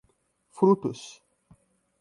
frutos